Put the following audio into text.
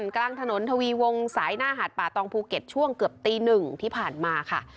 กลางถนนทวีวงสายหน้าหาดป่าตองภูเก็ตช่วงเกือบตีหนึ่งที่ผ่านมาค่ะ